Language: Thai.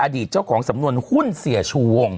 อดีตเจ้าของสำนวนหุ้นเสียชูวง